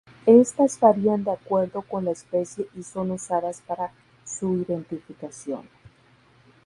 Estas varían de acuerdo con la especie y son usadas para su identificación.